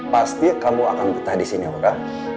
pasti kamu akan bertah di sini aura